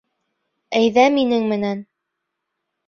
Әйҙә минең менән.